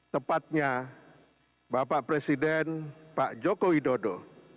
tepatnya bapak presiden pak joko widodo